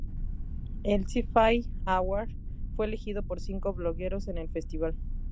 El SyFy Award fue elegido por cinco blogueros en el festival.